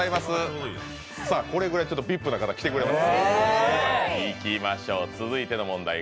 これぐらいＶＩＰな方来てくれます。